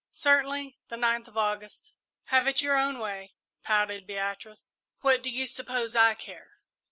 "Certainly the ninth of August." "Have it your own way," pouted Beatrice; "what do you suppose I care?"